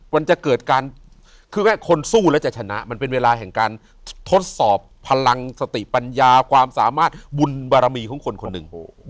มันจะเกิดการคือคนสู้แล้วจะชนะมันเป็นเวลาแห่งการทดสอบพลังสติปัญญาความสามารถบุญบารมีของคนคนหนึ่ง